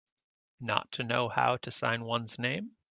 Not to know how to sign one's name.